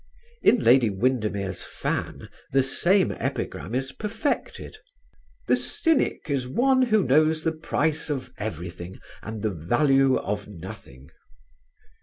In "Lady Windermere's Fan" the same epigram is perfected, "The cynic is one who knows the price of everything and the value of nothing."